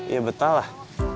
iya betah lah